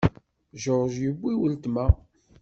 George yiwi wetma.